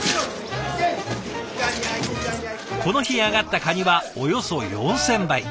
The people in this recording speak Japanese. この日揚がったカニはおよそ４，０００杯。